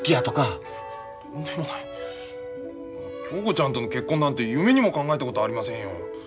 恭子ちゃんとの結婚なんて夢にも考えたことありませんよ。